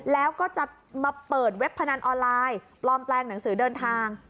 แล้วก็จะมาเปิดเว็บพนันออนไลน์ปลอมแปลงหนังสือเดินทาง